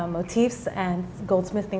motif berwarna emas dan